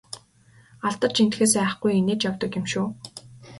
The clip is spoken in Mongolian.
Алдаж эндэхээс айхгүй инээж явдаг юм шүү!